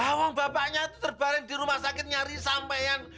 awang bapaknya tuh terbarin di rumah sakit nyari sampean